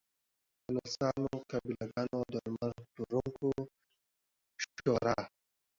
نرسانو، قابله ګانو، درمل پلورونکو شورا